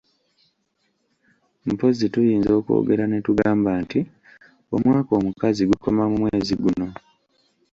Mpozzi tuyinza okwogera ne tugamba nti omwaka omukazi gukoma mu mwezi guno.